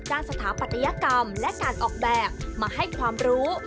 สถาปัตยกรรมและการออกแบบมาให้ความรู้